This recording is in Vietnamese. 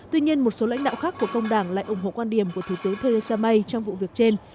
tuy nhiên một số lãnh đạo khác của công đảng lại ủng hộ quan điểm của thủ tướng theresa may trong vụ việc trên